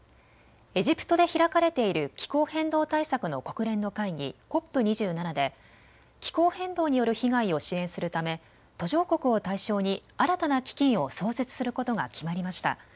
エジプトで開かれている気候変動対策の国連の会議、ＣＯＰ２７で気候変動による被害を支援するため途上国を対象に新たな基金を創設することが決まりました。